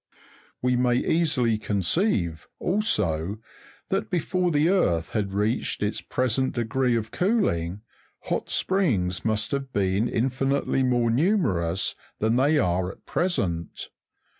We may easily conceive, also, that before the earth had reached its pre sent degree of cooling, hot springs must have been infinitely more numerous than they are at present.